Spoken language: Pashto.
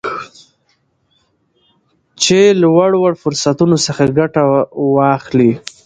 چې چې له وړ وړ فرصتونو څخه ګته واخلي